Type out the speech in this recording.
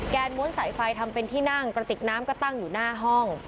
ม้วนสายไฟทำเป็นที่นั่งกระติกน้ำก็ตั้งอยู่หน้าห้อง